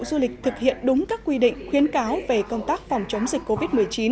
bộ du lịch thực hiện đúng các quy định khuyến cáo về công tác phòng chống dịch covid một mươi chín